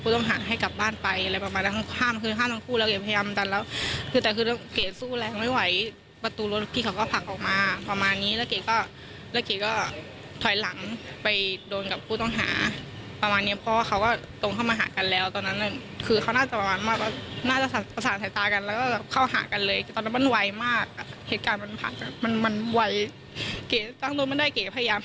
แต่คือเก๋สู้แรงไม่ไหวประตูรถพี่เขาก็ผลักออกมาประมาณนี้แล้วเก๋ก็แล้วเก๋ก็ถอยหลังไปโดนกับผู้ต้องหาประมาณเนี้ยเพราะว่าเขาก็ตรงเข้ามาหากันแล้วตอนนั้นเนี้ยคือเขาน่าจะประมาณมากน่าจะสั่งสายตากันแล้วก็เข้าหากันเลยตอนนั้นมันไหวมากเหตุการณ์มันผ่านมันมันไหวเก๋ตั้งต้นมันได้เก๋พยายามห้